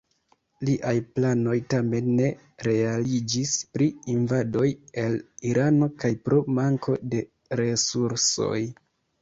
Liaj planoj tamen ne realiĝis pri invadoj el Irano kaj pro manko de resursoj.